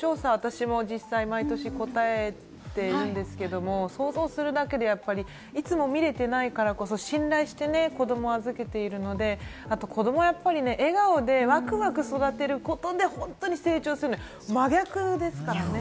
この調査、私も実際、毎年答えているんですけれども、想像するだけで、いつも見れていないからこそ信頼してね、子供を預けているので子供はやっぱり笑顔で、わくわく育てることで本当に成長する、真逆ですからね。